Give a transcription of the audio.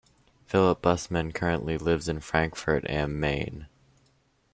Philip Bussmann currently lives in Frankfurt am Main.